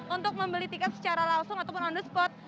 untuk membeli tiket secara langsung ataupun on the spot